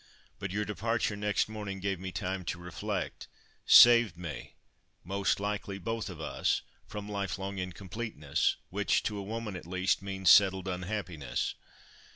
But your departure next morning gave me time to reflect; saved me, most likely, both of us, from life long incompleteness, which, to a woman at least, means settled unhappiness.